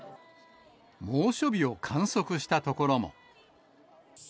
猛暑日を観測した所も。